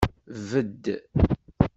Bedd!